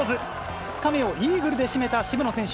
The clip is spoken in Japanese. ２日目をイーグルで締めた渋野選手。